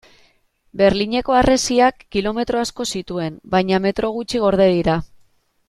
Berlineko harresiak kilometro asko zituen baina metro gutxi gorde dira.